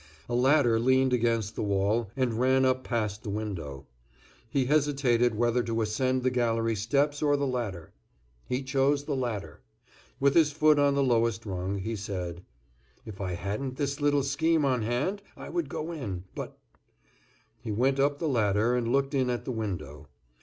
A ladder leaned against the wall and ran up past the window. He hesitated whether to ascend the gallery steps or the ladder. He chose the ladder. With his foot on the lowest rung, he said: "If I hadn't this little scheme on hand I would go in, but—" He went up the ladder and looked in at the window.